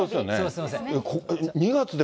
すみません。